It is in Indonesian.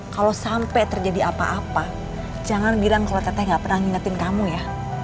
kalo sampe terjadi apa apa jangan bilang kalo teteh gak pernah ngingetin kamu ya